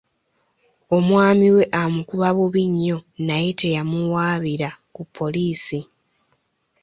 Omwami we amukuba bubi nnyo naye teyamuwawaabira ku poliisi.